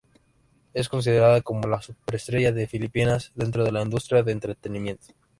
Es considerada como la "Superestrella de Filipinas dentro de la Industria de Entretenimiento".